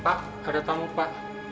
pak ada tamu pak